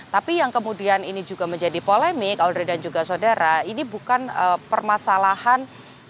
tapi yang kemudian ini juga menjadi polemik audrey dan juga saudara ini bukan permasalahan